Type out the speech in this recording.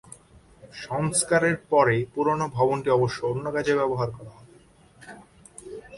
সংস্কারের পরে পুরনো ভবনটি অবশ্য অন্য কাজে ব্যবহার করা হবে।